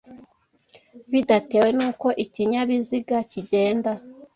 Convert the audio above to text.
bidatewe n'uko ikinyabiziga kigenda